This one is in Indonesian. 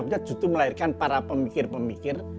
yang menjadikan para pemikir pemikir